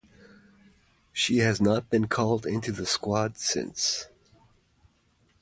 She has not been called into the squad since.